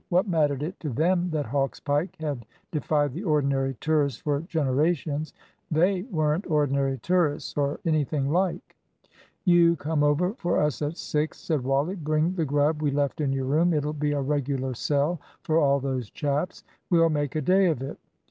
What mattered it to them that Hawk's Pike had defied the ordinary tourist for generations? They weren't ordinary tourists, or anything like. "You come over for us at six," said Wally. "Bring the grub we left in your room. It'll be a regular sell for all those chaps. We'll make a day of it."